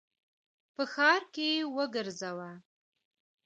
په ښار کي یې وګرځوه !